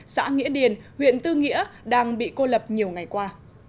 xã nghĩa điền huyện tư nghĩa đang bị cô lập nhiều ngày qua